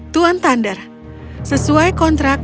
tuan thunders sesuai kontrak